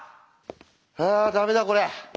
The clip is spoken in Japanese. あダメだこれ。